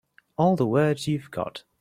All the words you've got.